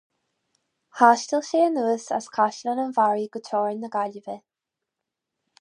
Thaistil sé anuas as Caisleán an Bharraigh go teorainn na Gaillimhe.